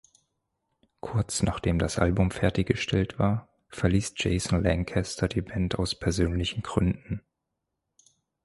Kurz nachdem das Album fertiggestellt war, verließ Jason Lancaster die Band aus persönlichen Gründen.